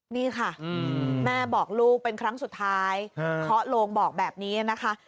นี่ค่ะแม่บอกลูกเป็นครั้งสุดท้ายเคาะโลงบอกแบบนี้นะคะ